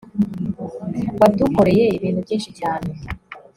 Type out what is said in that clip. wadukoreye ibintu byinshi cyane